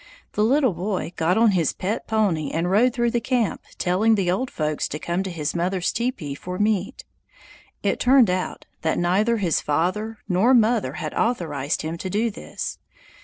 The little boy got on his pet pony and rode through the camp, telling the old folks to come to his mother's teepee for meat. It turned out that neither his father nor mother had authorized him to do this.